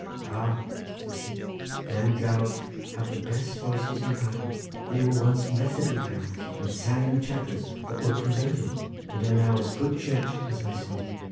"Ah!" said she, "them gals have the best voices in Bala. They were once Methody gals, and sang in the chapels, but were convarted, and are now as good Church as myself.